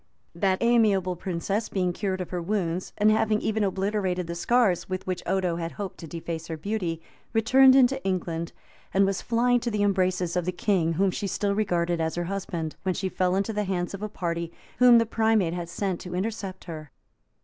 That amiable princess being cured of her wounds, and having even obliterated the scars with which Odo had hoped to deface her beauty, returned into England, and was flying to the embraces of the king, whom she still regarded as her husband; when she fell into the hands of a party whom the primate had sent to intercept her.